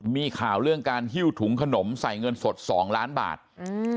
มีข่าวเรื่องการหิ้วถุงขนมใส่เงินสดสองล้านบาทอืม